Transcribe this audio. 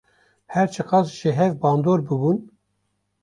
Her çi qas ji hev bandor bûbin.